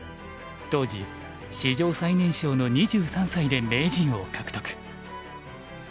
当時史上最年少の２３歳で名人を獲得。